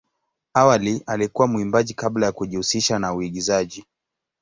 Awali alikuwa mwimbaji kabla ya kujihusisha na uigizaji.